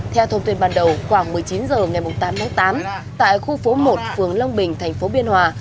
theo thông tin ban đầu khoảng một mươi chín h ngày tám tháng tám tại khu phố một phường long bình thành phố biên hòa